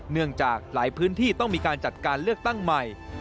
เนื่องจากหลายพื้นที่ต้องมีการจัดการเลือกตั้งใหม่